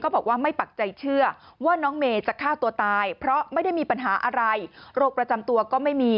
บอกว่าไม่ปักใจเชื่อว่าน้องเมย์จะฆ่าตัวตายเพราะไม่ได้มีปัญหาอะไรโรคประจำตัวก็ไม่มี